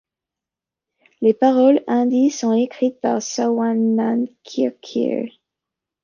Les paroles hindies sont écrites par Swanand Kirkire.